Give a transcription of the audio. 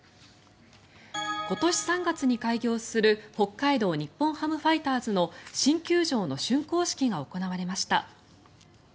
今年３月に開業する北海道日本ハムファイターズの新球場のしゅん工式が行われました。